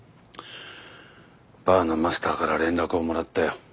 バーのマスターから連絡をもらったよ。